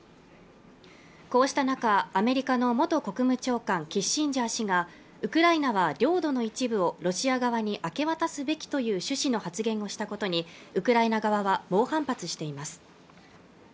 こうした中アメリカの元国務長官キッシンジャー氏がウクライナは領土の一部をロシア側に明け渡すべきという趣旨の発言をしたことにウクライナ側は猛反発しています